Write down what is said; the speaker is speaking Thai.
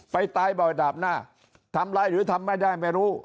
ตายบ่อยดาบหน้าทำอะไรหรือทำไม่ได้ไม่รู้